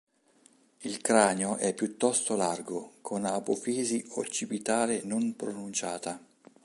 Il cranio è piuttosto largo, con apofisi occipitale non pronunciata.